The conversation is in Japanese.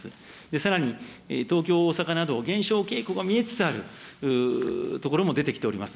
さらに、東京、大阪など、減少傾向が見えつつある所も出てきております。